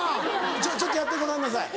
ちょっとやってごらんなさい。